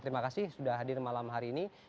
terima kasih sudah hadir malam hari ini